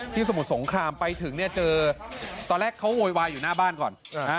สมุทรสงครามไปถึงเนี่ยเจอตอนแรกเขาโวยวายอยู่หน้าบ้านก่อน